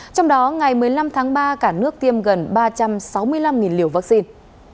trong đó ngày một mươi năm tháng ba cả nước tiêm gần ba trăm sáu mươi năm liều vaccine